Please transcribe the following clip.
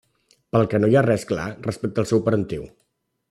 Pel que no hi ha res clar respecte al seu parentiu.